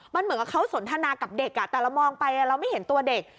มันเหมือนกับเขาสนทนากับเด็กแต่เรามองไปเราไม่เห็นตัวเด็ก